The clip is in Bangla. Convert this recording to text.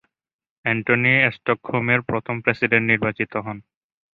অ্যান্টনি স্টকহোম এর প্রথম প্রেসিডেন্ট নির্বাচিত হন।